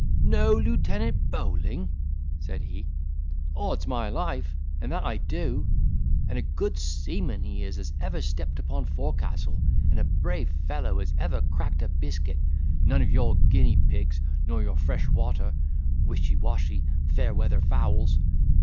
"Know Lieutenant Bowling!" said he, "Odds my life! and that I do; and a good seaman he is as ever stepped upon forecastle, and a brave fellow as ever cracked biscuit—none of your Guinea pigs, nor your fresh water, wish washy, fair weather fowls.